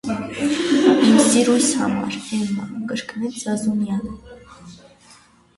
- Իմ սիրույս համար, Է՛մմա,- կրկնեց Զազունյանը: